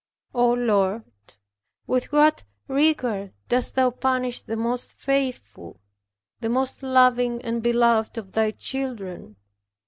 O Lord! with what rigor, dost Thou punish the most faithful, the most loving and beloved of Thy children.